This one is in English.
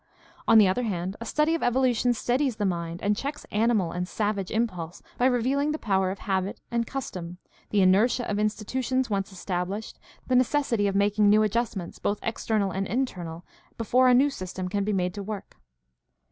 On the other hand, a study of evolution steadies the mind and checks animal and savage impulse by revealing the power of habit and custom, the inertia of institutions once estab lished, the necessity of making new adjustments, both external and internal, before a new system can be made to work.